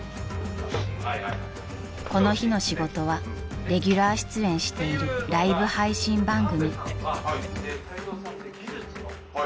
［この日の仕事はレギュラー出演しているライブ配信番組］